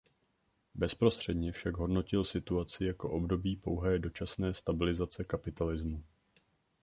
Bezprostředně však hodnotil situaci jako období pouhé „dočasné stabilizace kapitalismu“.